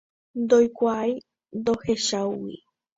Ndoikuaái ndohecháigui.